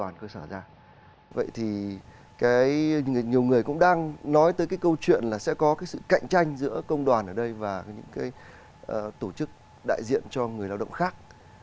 nhiều người cũng đang nói tới câu chuyện sẽ có sự cạnh tranh giữa công đoàn ở đây và những tổ chức đại diện cho người lao động khác